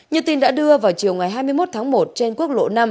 như tin đã đưa vào chiều ngày hai mươi một tháng một trên quốc lộ năm